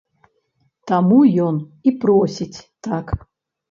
Таму ён і просіць так.